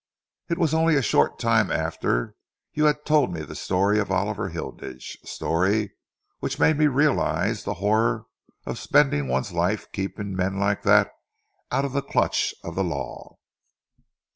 It was only a short time after you had told me the story of Oliver Hilditch, a story which made me realise the horror of spending one's life keeping men like that out of the clutch of the law."